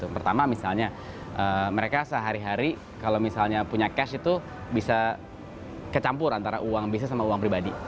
pertama misalnya mereka sehari hari kalau misalnya punya cash itu bisa kecampur antara uang bisnis sama uang pribadi